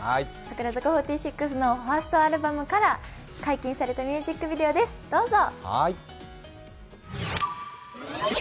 櫻坂４６のファーストアルバムから解禁されたミュージックビデオです、どうぞ。